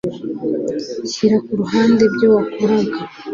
shyira ku ruhande ibyo wakoraga,